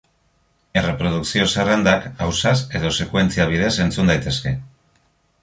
Erreprodukzio zerrendak ausaz edo sekuentzia bidez entzun daitezke.